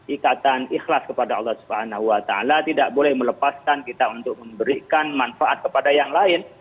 ikatan ikhlas kepada allah swt tidak boleh melepaskan kita untuk memberikan manfaat kepada yang lain